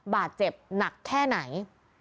บาดเจ็บหนักแค่ไหน